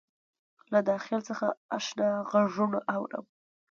له داخل څخه آشنا غــــــــــږونه اورم